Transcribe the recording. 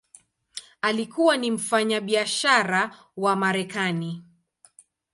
Alikuwa ni mfanyabiashara wa Marekani.